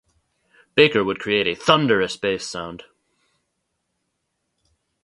Baker would create a thunderous bass sound.